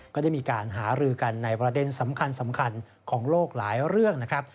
ก็ได้มีการหารือกันในประเด็นสำคัญของโลกหลายเรื่องนะครับ